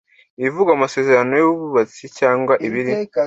ibivugwa mu Masezerano y ububitsi cyangwa ibiri